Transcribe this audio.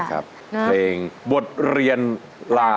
ดูเขาเล็ดดมชมเล่นด้วยใจเปิดเลิศ